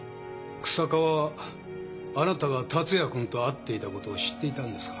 日下はあなたが達也君と会っていたことを知っていたんですか？